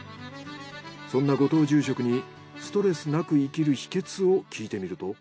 そんな後藤住職にストレスなく生きる秘訣を聞いてみると。